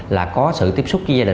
là có sự tiếp xúc với tội phạm